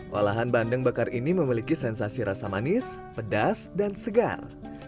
olahan bandeng bakar ini memiliki sensasi rasa manis pedas dan segar